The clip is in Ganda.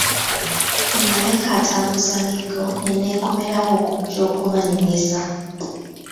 Naleka atambuza miggo ne neekomerawo okujja okubanyumiza.